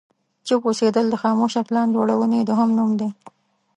چوپ اوسېدل د خاموشه پلان جوړونې دوهم نوم دی.